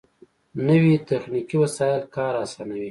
نوې تخنیکي وسایل کار آسانوي